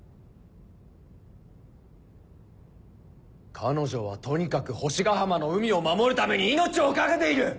彼女はとにかく星ヶ浜の海を守るために命を懸けている！